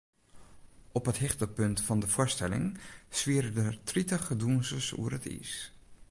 Op it hichtepunt fan de foarstelling swiere der tritich dûnsers oer it iis.